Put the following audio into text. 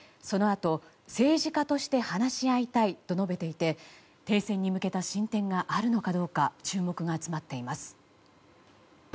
そのあと、政治家として話し合いたいと述べていて停戦に向けた進展があるのかどうか注目が集まっています。